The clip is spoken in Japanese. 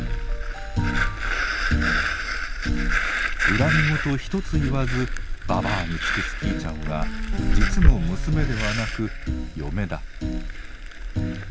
恨み言一つ言わずばばあに尽くすきいちゃんは実の娘ではなく嫁だ。